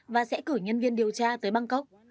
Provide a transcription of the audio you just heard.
và sẽ cử nhân viên điều tra tới bangkok